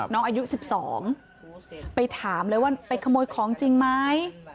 น้องอายุ๑๒ไปถามเลยว่าไปขโมยของจริงไหม